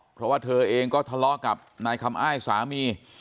เพราะว่าเธอเองก็ทะเลาะกับนายคำอ้ายสามี